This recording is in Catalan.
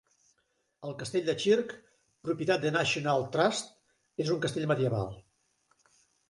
El castell de Chirk, propietat del National Trust, és un castell medieval.